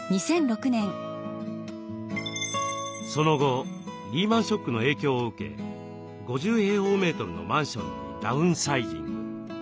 その後リーマンショックの影響を受け５０のマンションにダウンサイジング。